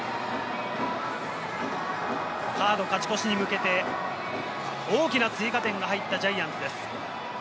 カード勝ち越しに向けて、大きな追加点が入ったジャイアンツです。